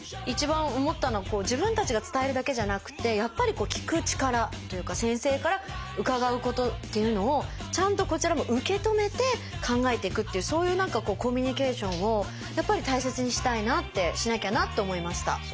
一番思ったのは自分たちが伝えるだけじゃなくてやっぱり聞く力というか先生から伺うことっていうのをちゃんとこちらも受け止めて考えていくっていうそういう何かコミュニケーションをやっぱり大切にしたいなってしなきゃなって思いました。